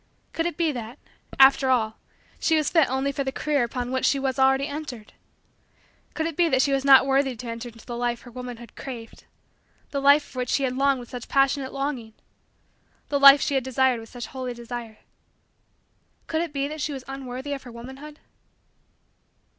Could it be that, after all, she was fit only for the career upon which she was already entered? Could it be that she was not worthy to enter into the life her womanhood craved the life for which she had longed with such passionate longing the life she had desired with such holy desire? Could it be that she was unworthy of her womanhood?